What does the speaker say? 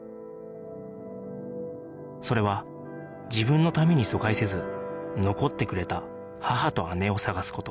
それは自分のために疎開せず残ってくれた母と姉を捜す事